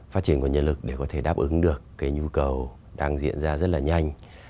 phát triển nguồn nhân lực để có thể đáp ứng được cái nhu cầu đang diễn ra rất là nhanh